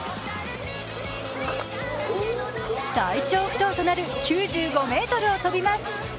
最長不倒となる９５ｍを飛びます。